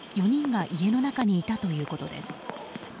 ４人が家の中にいたということです。